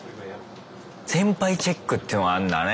先輩チェックっていうのがあんだね。